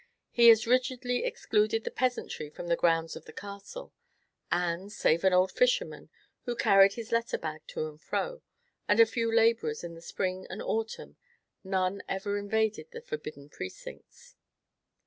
He as rigidly excluded the peasantry from the grounds of the Castle; and, save an old fisherman, who carried his letter bag to and fro, and a few laborers in the spring and autumn, none ever invaded the forbidden precincts.